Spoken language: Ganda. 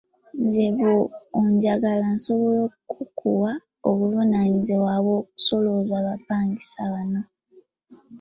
Nze bw'onjagala nsobola n'okukuwa obuvunaanyizibwa bw'okusolooza bapangisa banno.